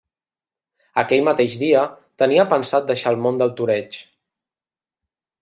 Aquell mateix dia tenia pensat deixar el món del toreig.